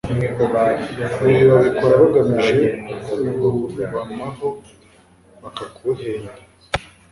Ibi babikora bagamije kukubamaho bakaguhenda”.